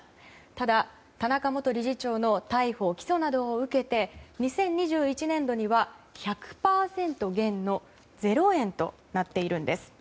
ただ、田中元理事長の逮捕・起訴などを受けて２０２１年度には１００％減の０円となっているんです。